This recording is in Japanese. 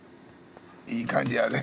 いい感じやで。